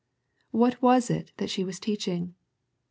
What was it that she was teaching